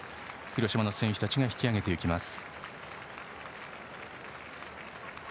広島の選手たちが引き揚げていきます。